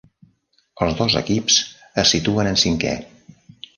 Els dos equips es situen en cinquè.